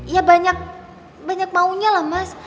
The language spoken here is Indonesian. ya banyak maunya lah mas